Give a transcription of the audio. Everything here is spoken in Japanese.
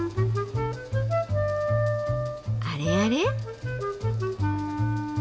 あれあれ？